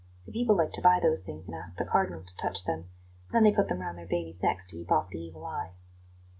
The people like to buy those things and ask the Cardinal to touch them; then they put them round their babies' necks to keep off the evil eye."